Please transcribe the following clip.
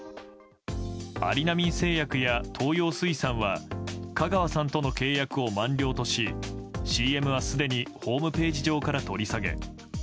アリナミン製薬や東洋水産は香川さんとの契約を満了としＣＭはすでにホームページ上から取り下げ。